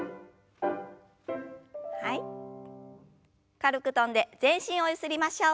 軽く跳んで全身をゆすりましょう。